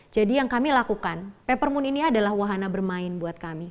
jadi yang kami lakukan peppermint ini adalah wahana bermain buat kami